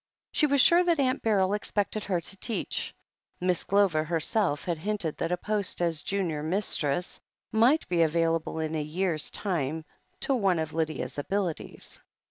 She was sure that Aunt Beryl expected her to teach. Miss Glover herself had hinted that a post as Junior Mistress might be available in a year's time to one of Lydia's abilities.